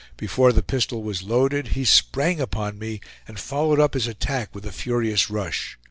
Before the pistol was loaded he sprang upon me, and followed up his attack with a furious rush.